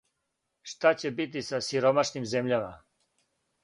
Шта ће бити са сиромашним земљама?